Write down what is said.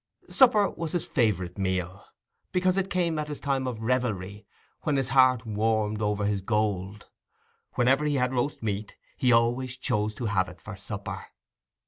Supper was his favourite meal, because it came at his time of revelry, when his heart warmed over his gold; whenever he had roast meat, he always chose to have it for supper.